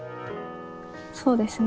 そうですね。